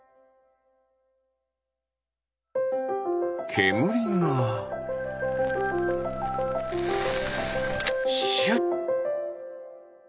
けむりがシュッ。